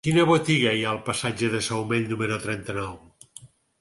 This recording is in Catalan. Quina botiga hi ha al passatge de Saumell número trenta-nou?